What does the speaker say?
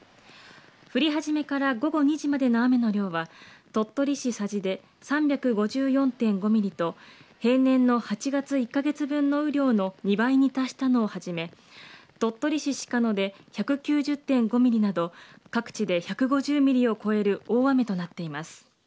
降り始めから午後２時までの雨の量は、鳥取市佐治で３５４．５ミリと、平年の８月１か月分の雨量の２倍に達したのをはじめ、鳥取市鹿野で１９０．５ミリなど、各地で１５０ミリを超える大雨となっています。